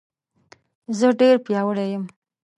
زه ډېر پیاوړی یم